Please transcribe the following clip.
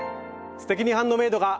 「すてきにハンドメイド」が。